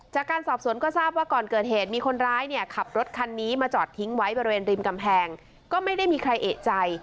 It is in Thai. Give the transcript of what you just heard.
จากการสอบสวนก็ทราบว่าก่อนเกิดเหตุมีคนร้ายเนี่ยขับรถคันนี้มาจอดทิ้งไว้บริเวณริมกำแพงก็ไม่ได้มีใครเอกใจ